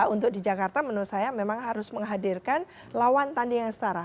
untuk di jakarta menurut saya memang harus menghadirkan lawan tanding yang setara